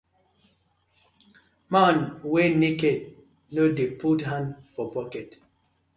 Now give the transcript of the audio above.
Man wey naked no dey put hand for pocket:.